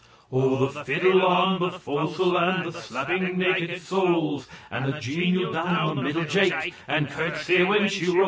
O! the fiddle on the fo'c's'le, and the slapping naked soles, And the genial ' Down the middle Jake, and curtsey when she rolls!